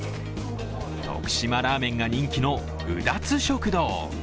徳島ラーメンが人気のうだつ食堂。